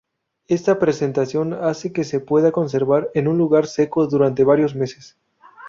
Esta presentación hace que se pueda conservar en un lugar seco durante varios meses.